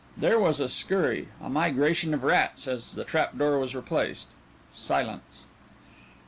There was a scurry, a migration of rats, as the trap door was replaced;... silence.